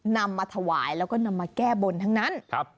นำมาถวายแล้วก็นำมาแก้บนทั้งนั้น